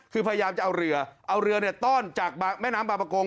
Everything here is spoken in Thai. คือพยายามจะเอาเรือเอาเรือต้อนจากแม่น้ำบางประกง